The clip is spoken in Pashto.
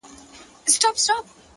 پرمختګ له کوچنیو اصلاحاتو جوړېږي.!